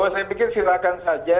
saya pikir silakan saja